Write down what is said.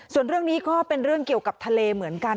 ส่วนเรื่องนี้ก็เป็นเรื่องเกี่ยวกับทะเลเหมือนกัน